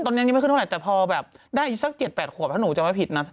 ตอนนี้ยังไม่ขึ้นเท่าไหร่แต่พอแบบได้อีกสัก๗๘ขวบถ้าหนูจำไม่ผิดนะ